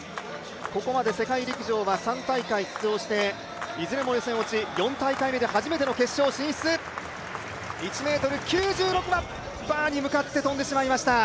ここまで世界陸上は３大会出場していずれも予選落ち、４大会目で初めての決勝進出１ｍ９６はバーに向かって跳んでしまいました。